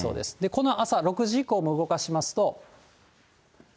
この朝６時以降も動かしますと。